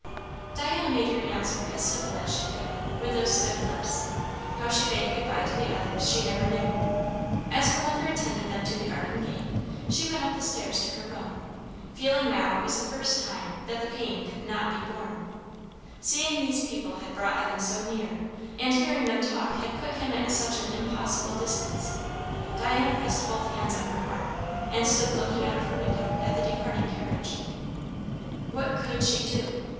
Diana made her answer as civil as she could, with those stiff lips; how she bade good bye to the others she never knew. As her mother attended them to the garden gate, she went up the stairs to her room, feeling now it was the first time that the pain could not be borne. Seeing these people had brought Evan so near, and hearing them talk had put him at such an impossible distance. Diana pressed both hands on her heart, and stood looking out of her window at the departing carriage. What could she do?